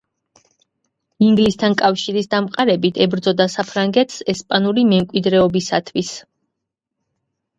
ინგლისთან კავშირის დამყარებით ებრძოდა საფრანგეთს ესპანური მემკვიდრეობისათვის.